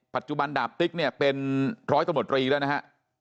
ปัจจุบันดาบติ๊กเนี่ยเป็นร้อยตำรวจรีแล้วนะฮะ